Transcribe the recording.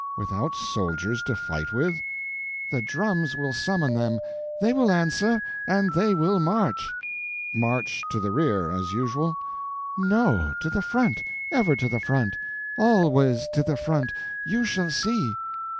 "Without soldiers to fight with?" "The drums will summon them. They will answer, and they will march." "March to the rear, as usual?" "No; to the front—ever to the front—always to the front! You shall see."